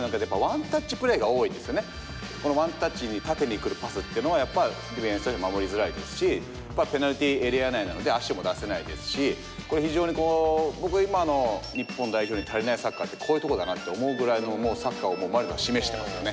このワンタッチに縦にくるパスってのはディフェンスで守りづらいですしペナルティーエリア内なので足も出せないですし非常に僕は今の日本代表に足りないサッカーってこういうとこだなって思うぐらいのもうサッカーをマリノス示してますよね。